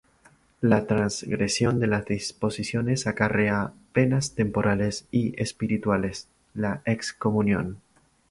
La transgresión de las disposiciones acarrea penas temporales y espirituales: la excomunión.